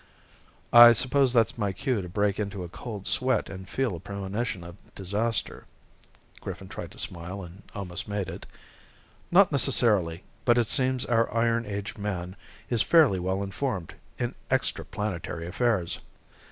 "I suppose that's my cue to break into a cold sweat and feel a premonition of disaster." Griffin tried to smile and almost made it. "Not necessarily, but it seems our iron age man is fairly well informed in extraplanetary affairs."